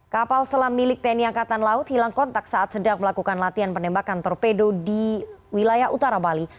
kapal selam milik tni angkatan laut hilang kontak saat sedang melakukan latihan penembakan torpedo di wilayah utara bali